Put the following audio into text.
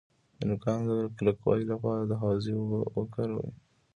د نوکانو د کلکوالي لپاره د هوږې اوبه وکاروئ